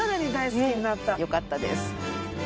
よかったです。